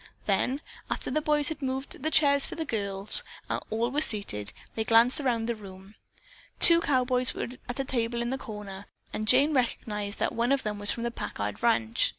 Then, after the boys had moved the chairs out for the girls and all were seated, they glanced about the room. Two cowboys were at a table in a corner, and Jane recognized that one of them was from the Packard ranch.